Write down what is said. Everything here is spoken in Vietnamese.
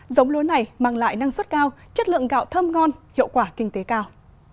giống lúa này mang lại năng suất cao chất lượng gạo thơm ngon hiệu quả kinh tế cao